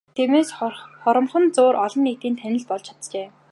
Тиймээс хоромхон зуур олон нийтийн танил болж чаджээ.